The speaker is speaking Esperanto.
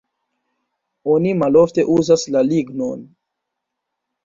Oni malofte uzas la lignon.